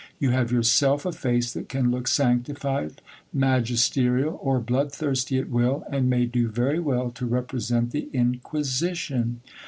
You have yourself a face that can look sanctified, magisterial, or blood thirsty at will, and may do very well to represent the inquisition.